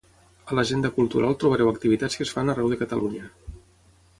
A l'Agenda Cultural trobareu activitats que es fan arreu de Catalunya.